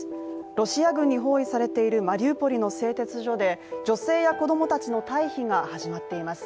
ロシア軍に包囲されているマリウポリの製鉄所で女性や子供たちの退避が始まっています。